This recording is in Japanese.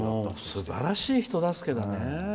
すばらしい人助けだね。